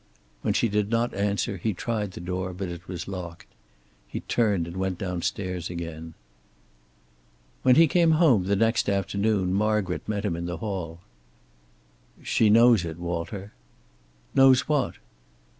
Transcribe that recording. When she did not answer he tried the door, but it was locked. He turned and went downstairs again... When he came home the next afternoon Margaret met him in the hall. "She knows it, Walter." "Knows what?"